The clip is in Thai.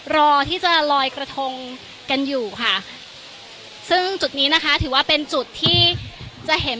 รอที่จะลอยกระทงกันอยู่ค่ะซึ่งจุดนี้นะคะถือว่าเป็นจุดที่จะเห็น